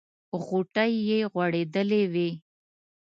غوټۍ یې غوړېدلې وې.